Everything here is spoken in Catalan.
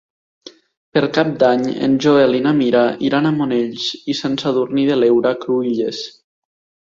Per Cap d'Any en Joel i na Mira iran a Monells i Sant Sadurní de l'Heura Cruïlles.